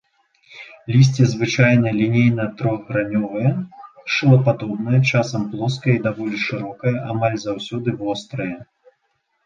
Лісце звычайна лінейна-трохграневае, шылападобнае, часам плоскае і даволі шырокае, амаль заўсёды вострае.